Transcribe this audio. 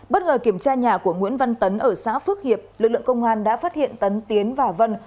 bất ngờ kiểm tra nhà của nguyễn văn tấn ở xã phước hiệp lực lượng công an đã phát hiện tấn tiến và vân